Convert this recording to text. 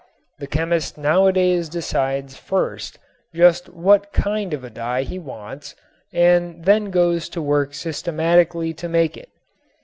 The chemist nowadays decides first just what kind of a dye he wants, and then goes to work systematically to make it.